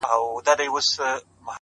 • دوه خورجینه ,